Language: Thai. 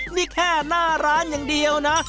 นี่แค่หน้าร้านอย่างเดียวนะ